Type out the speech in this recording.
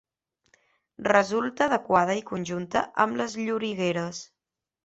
Resulta adequada i conjunta amb les llorigueres.